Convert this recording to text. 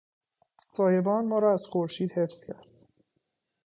سایبان ما را از خورشید حفظ کرد.